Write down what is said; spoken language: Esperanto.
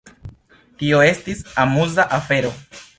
Tio estis amuza afero.